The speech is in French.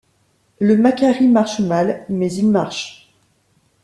Le Macquarie marche mal, mais il marche.